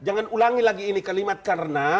jangan ulangi lagi ini kalimat karena